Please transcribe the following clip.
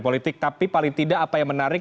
politik tapi paling tidak apa yang menarik